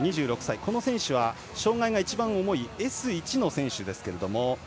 この選手は、障害が一番重いＳ１の選手です。